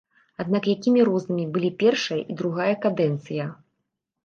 Аднак якімі рознымі былі першая і другая кадэнцыя.